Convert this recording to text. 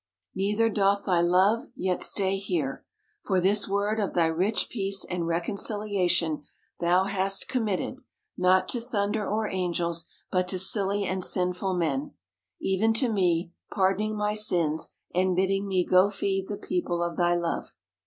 Neither doth thy love yet stay here. For this word of thy rich peace and reconciliation thou hast com mitted — not to thunder or angels — but to silly and sinful men ; even to me, pardoning my sins, and bidding me go feed the people of thy love.